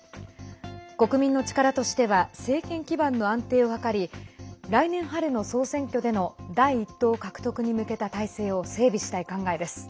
国民の力としては政権基盤の安定を図り来年春の総選挙での第１党獲得に向けた体制を整備したい考えです。